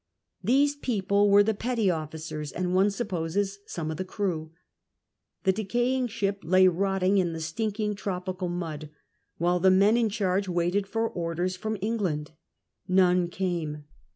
These people were the petty officers, and, one supposes, some of the crew. The decaying ship lay rotting in the stinking tropical mud while the men in charge waited for orders from England. None came.